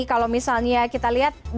kalau misalnya kita lihat